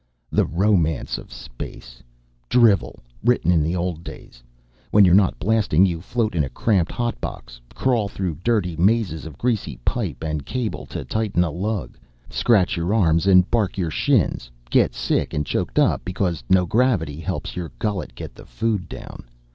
The "romance" of space drivel written in the old days. When you're not blasting, you float in a cramped hotbox, crawl through dirty mazes of greasy pipe and cable to tighten a lug, scratch your arms and bark your shins, get sick and choked up because no gravity helps your gullet get the food down.